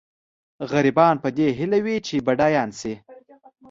غریبان په دې هیله وي چې بډایان شي.